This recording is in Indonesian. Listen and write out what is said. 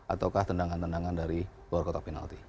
atau tendangan tendangan dari luar kotak penalti